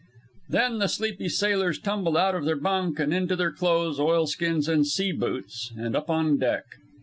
Then the sleepy sailors tumbled out of their bunk and into their clothes, oil skins, and sea boots and up on deck.